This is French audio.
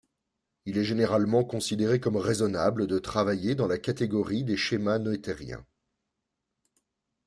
Il est généralement considéré comme raisonnable de travailler dans la catégorie des schémas noethériens.